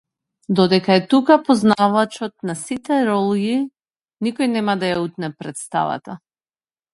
Додека е тука познавачот на сите ролји, никој нема да ја утне претставата!